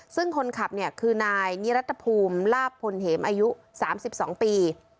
ซึ่งคนขับเนี่ยคือนายนิรัตภูมิลาบพลเหมอายุ๓๒ปี